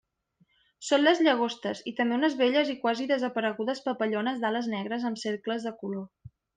Són les llagostes, i també unes belles i quasi desaparegudes papallones d'ales negres amb cercles de color.